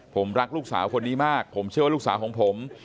ผมรักลูกสาวคนนี้มากผมเชื่อว่าลูกสาวของผม